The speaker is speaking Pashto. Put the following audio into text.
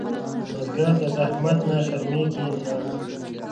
بزګر د زحمت نه شرمېږي نه